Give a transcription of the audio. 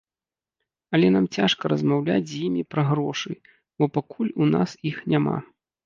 Але нам цяжка размаўляць з імі пра грошы, бо пакуль у нас іх няма.